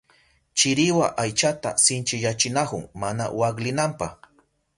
Chiriwa aychata sinchiyachinahun mana waklinanpa.